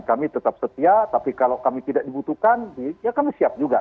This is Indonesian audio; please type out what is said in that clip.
kami tetap setia tapi kalau kami tidak dibutuhkan ya kami siap juga